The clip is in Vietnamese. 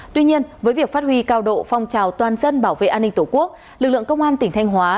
tuy nhiên với việc phát huy cao độ phong trào toàn dân bảo vệ an ninh tổ quốc lực lượng công an tỉnh thanh hóa